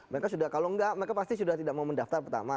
mereka sudah kalau enggak mereka pasti sudah tidak mau mendaftar pertama